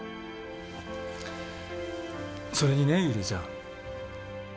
それにねゆりえちゃん。